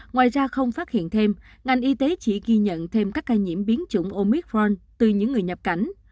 ngoài ra không phát hiện thêm ngành y tế chỉ ghi nhận thêm các ca nhiễm biến chủng omicron từ những người nhập cảnh